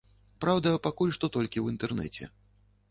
Праўда, пакуль што толькі ў інтэрнэце.